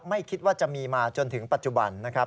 ไม่คิดว่าจะมีมาจนถึงปัจจุบันนะครับ